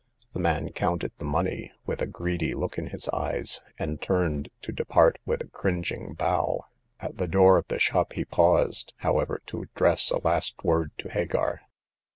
The man counted the money, with a greedy look in his eyes, and turned to depart with a cringing bow. At the door of the shop he paused, how ever, to address a last word to Hagar.